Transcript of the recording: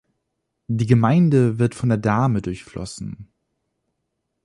Die Gemeinde wird von der Dahme durchflossen.